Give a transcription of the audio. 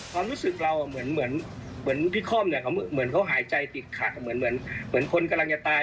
ความรู้สึกเราเหมือนพี่ค่อมเนี่ยเขาเหมือนเขาหายใจติดขัดเหมือนคนกำลังจะตาย